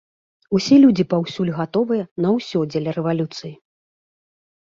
Усе людзі паўсюль гатовыя на ўсё дзеля рэвалюцыі!